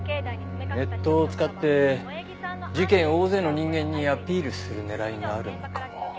ネットを使って事件を大勢の人間にアピールする狙いがあるのかも。